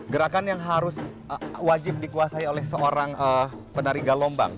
gerakan yang harus wajib dikuasai oleh seorang penari galombang